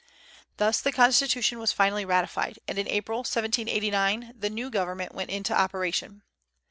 Thus the Constitution was finally ratified, and in April, 1789, the new government went into operation.